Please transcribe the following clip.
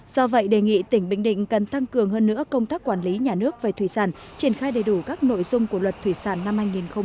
do vậy đề nghị tỉnh bình định cần tăng cường hơn nữa công tác quản lý nhà nước về thủy sản triển khai đầy đủ các nội dung của luật thủy sản năm hai nghìn một mươi bảy